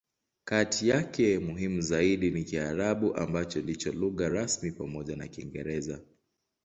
Kati yake, muhimu zaidi ni Kiarabu, ambacho ndicho lugha rasmi pamoja na Kiingereza.